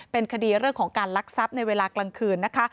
เป็นคดีเรื่องของการลักทรัพย์ในเวลากลางคืนนะคะ